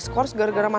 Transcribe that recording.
sampai jumpa lagi